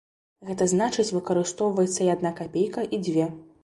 Гэта значыць выкарыстоўваецца і адна капейка, і дзве.